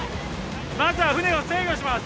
まずは船を制御します